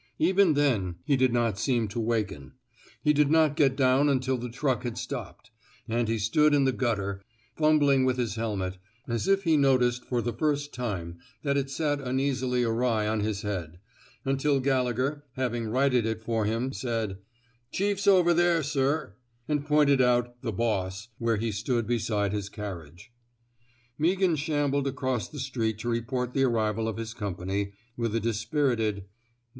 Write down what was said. Even then he did not 226 A QUESTION OF EETIEEMENT seem to waken. He did not get down until the truck had stopped; and he stood in the gutter, fumbling with his helmet — as if he noticed for the first time that it sat uneasily awry on his head — until Gallegher, having righted it for him, said '* Chief's over there, sir,'' and pointed out '* the Boss '* where he stood beside his carriage. Meaghan shambled across the street to re port the arrival of his company, with a dis pirited '' No.